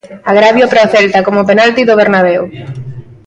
Agravio para o Celta, coma o penalti do Bernabeu.